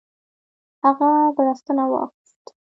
هغه بړستنه واخیست.